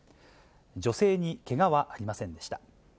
女性にけがはありませんでした。